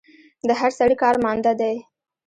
د هر سړي کار ماندۀ دی